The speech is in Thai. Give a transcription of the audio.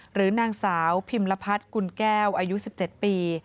หรือนางสาวพิมรพัฒน์กุลแก้วอายุ๑๗ปี